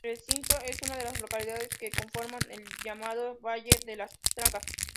Recinto es una de las localidades que conforman el llamado Valle de las Trancas.